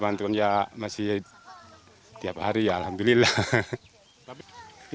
bantuan ya masih tiap hari ya alhamdulillah